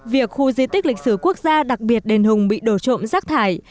việc khu di tích lịch sử quốc gia đặc biệt đền hùng bị đổ trộm rác thải